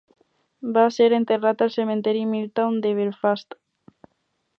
Va ser enterrat al cementiri Milltown de Belfast.